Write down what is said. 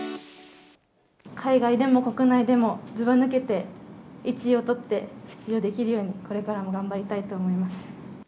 海外でも国内でも、ずばぬけて１位を取って、出場できるように、これからも頑張りたいと思います。